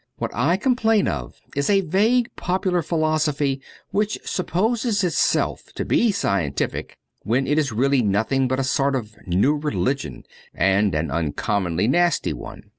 What I complain of is a vague popular philosophy which supposes itself to be scientific when it is really nothing but a sort of new religion and an uncommonly nasty one.